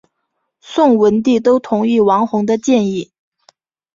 宋文帝都同意王弘的建议。